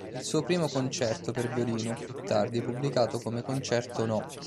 Il suo primo concerto per violino, più tardi pubblicato come Concerto No.